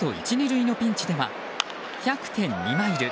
１、２塁のピンチでは１００．２マイル